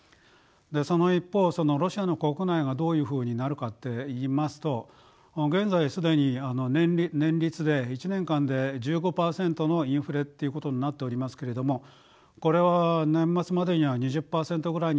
でその一方ロシアの国内がどういうふうになるかっていいますと現在既に年率で１年間で１５％のインフレっていうことになっておりますけれどもこれは年末までには２０％ぐらいに達するんだろうと思います。